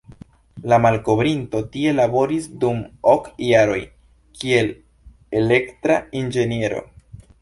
La malkovrinto tie laboris dum ok jaroj kiel elektra inĝeniero.